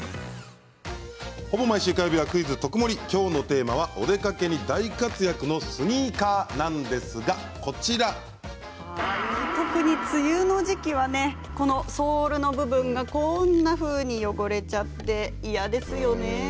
ほぼ毎週火曜日は「クイズとくもり」きょうのテーマは、お出かけに大活躍のスニーカーなんですが特に、梅雨の時期はこのソールの部分が汚れてしまって嫌ですよね。